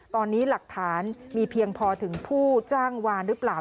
ตอนนี้หลักฐานมีเพียงพอถึงผู้จ้างวานหรือเปล่า